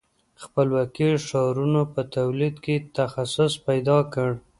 خپلواکو ښارونو په تولید کې تخصص پیدا کړ.